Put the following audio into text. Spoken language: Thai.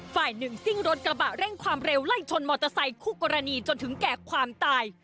ฝ่ายหนึ่งซิ่งรถกระบะเร่งความเร็วไล่ชนมอเตอร์ไซคู่กรณีจนถึงแก่ความตาย